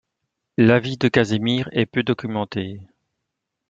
La vie de Casimir est peu documentée.